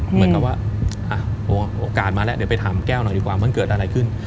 เหมือนกับว่าโอกาสมาแล้วเดี๋ยวไปถามแก้วหน่อยดีกว่ามันเกิดอะไรขึ้น